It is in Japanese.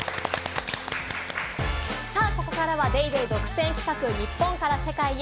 ここからは『ＤａｙＤａｙ．』独占企画、日本から世界へ！